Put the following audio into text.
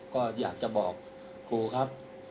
ก็อยากจะบอกครูครับ